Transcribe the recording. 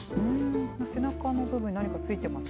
背中の部分に何かついていますね。